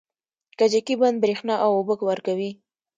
کجکي بند بریښنا او اوبه ورکوي